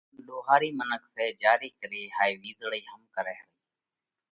ان ۮوهارِي منک سئہ جيا ري ڪري هائي وِيزۯئِي هم ڪرئه رئِي۔